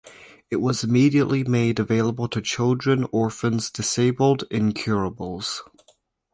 It was immediately made available to children, orphans, disabled, incurables.